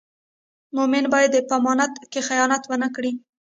مومن باید په امانت کې خیانت و نه کړي.